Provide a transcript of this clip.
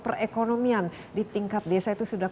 perekonomian di tingkat desa itu sudah